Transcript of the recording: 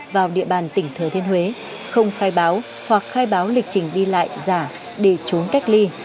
vào địa bàn tỉnh thừa thiên huế không khai báo hoặc khai báo lịch trình đi lại giả để trốn cách ly